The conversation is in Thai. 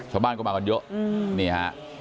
ชาวบ้านก็มากันเยอะนี่ฮะ